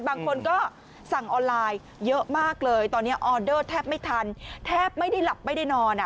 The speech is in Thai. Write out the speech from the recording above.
บางคนก็สั่งออนไลน์เยอะมากเลยตอนนี้ออเดอร์แทบไม่ทันแทบไม่ได้หลับไม่ได้นอน